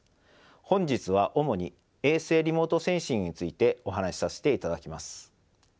本日は主に衛星リモートセンシングについてお話しさせていただきます。